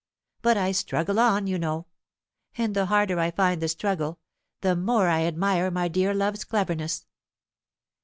But I struggle on, you know; and the harder I find the struggle, the more I admire my dear love's cleverness.